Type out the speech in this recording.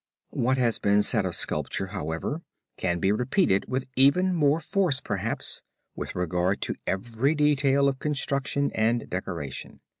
What has been said of sculpture, however, can be repeated with even more force perhaps with regard to every detail of construction and decoration.